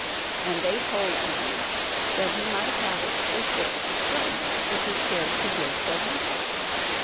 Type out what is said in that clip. And they told him that he might have it for six shillings, if he cared to give so much.